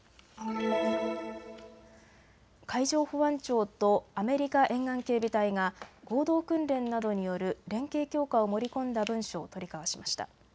海上保安庁とアメリカ沿岸警備隊が合同訓練などによる連携強化を盛り込んだ文書を取り交わしました。